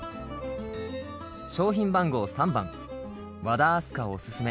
商品番号３番和田明日香おすすめ